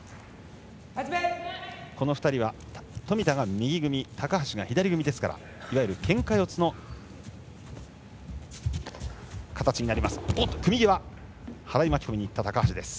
この２人は冨田が右組み高橋が左組みですからいわゆる、けんか四つの形です。